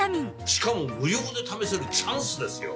しかも無料で試せるチャンスですよ